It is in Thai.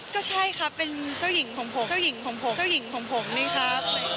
ก็ใช่ครับเป็นเจ้าหญิงของผมนี่ครับ